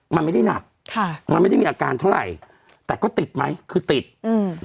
มันไม่ได้หนักค่ะมันไม่ได้มีอาการเท่าไหร่แต่ก็ติดไหมคือติดอืม